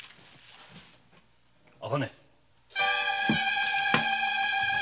茜！